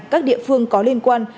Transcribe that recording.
các địa phương có liên quan